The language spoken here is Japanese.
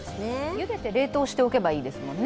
ゆでて冷凍しておけばいいですもんね。